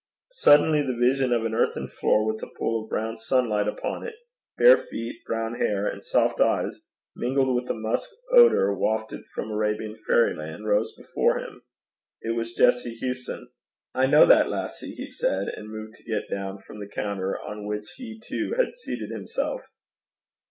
Suddenly the vision of an earthen floor with a pool of brown sunlight upon it, bare feet, brown hair, and soft eyes, mingled with a musk odour wafted from Arabian fairyland, rose before him: it was Jessie Hewson. 'I ken that lassie,' he said, and moved to get down from the counter on which he too had seated himself.